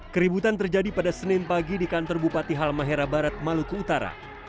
keributan terjadi pada senin pagi di kantor bupati halmahera barat maluku utara